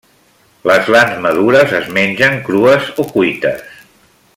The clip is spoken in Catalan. Les glans madures es mengen crues o cuites.